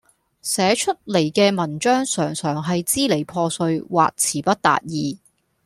寫出嚟嘅文章常常係支離破碎或辭不達意